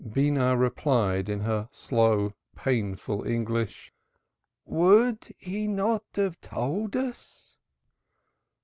Beenah replied in her slow painful English. "Would he not have told us?"